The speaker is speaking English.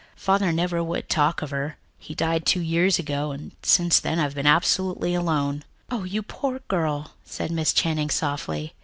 Father never would talk of her. He died two years ago, and since then I've been absolutely alone." "Oh, you poor girl," said Miss Channing softly.